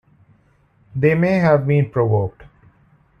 They may have been provoked.